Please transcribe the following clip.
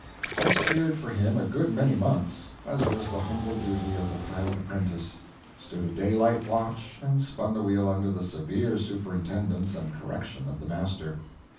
I steered for him a good many months—as was the humble duty of the pilot apprentice: stood a daylight watch and spun the wheel under the severe superintendence and correction of the master.